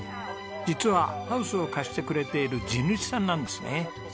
実はハウスを貸してくれている地主さんなんですね。